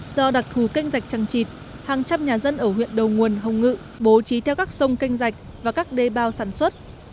do đặc thù kênh rạch trăng trịt hàng trăm nhà dân ở huyện đầu nguồn hồng ngự bố trí theo các sông canh rạch và các đê bao sản xuất